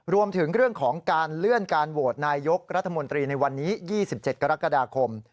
รวมถึงเรื่องของการเลื่อนการโหวตนายกรัฐมนตรีในวันนี้๒๗กรกฎาคม